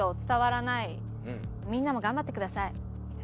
「みんなも頑張ってください」。